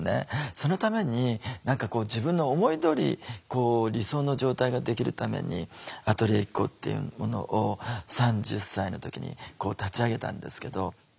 そのために何かこう自分の思いどおり理想の状態ができるためにアトリエＩＫＫＯっていうものを３０歳の時に立ち上げたんですけど。